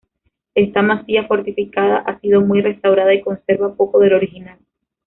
Esta masía fortificada ha sido muy restaurada y conserva poco del original.